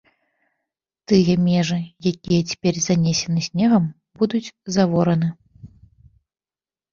Тыя межы, якія цяпер занесены снегам, будуць завораны.